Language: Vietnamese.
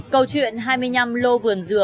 câu chuyện hai mươi năm lô vườn dừa